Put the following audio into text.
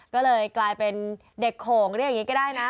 ก็เลยกลายเป็นเด็กโขงเรียกอย่างนี้ก็ได้นะ